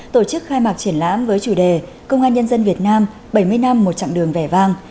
tổ chức khai mạc triển lãm với chủ đề công an nhân dân việt nam bảy mươi năm một chặng đường vẻ vang